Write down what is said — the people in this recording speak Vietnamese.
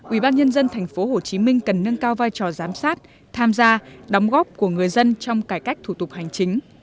ubnd tp hcm cần nâng cao vai trò giám sát tham gia đóng góp của người dân trong cải cách thủ tục hành chính